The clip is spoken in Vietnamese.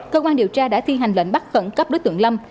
cơ quan điều tra đã thi hành lệnh bắt khẩn cấp đối tượng lâm